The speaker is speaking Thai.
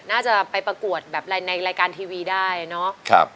น่าจะไปประกวดแบบในรายการทีวีได้เนาะ